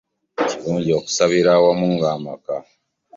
Kirungi okusabira awamu ng'amaka.